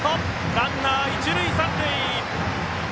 ランナー、一塁三塁。